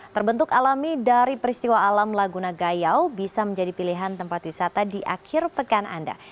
terbentuk alami dari peristiwa alam laguna gayau bisa menjadi pilihan tempat wisata di akhir pekan anda